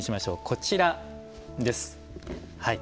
こちらです。